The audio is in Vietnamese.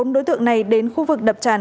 bốn đối tượng này đến khu vực đập tràn